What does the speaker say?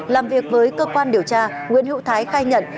làm việc với cơ quan điều tra nguyễn hữu thái khai nhận